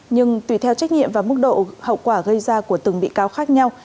nhưng tùy theo trách nhiệm và mức độ hậu quả gây ra của từng bị cáo khác nhau